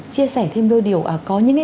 chia sẻ thêm đôi điều có những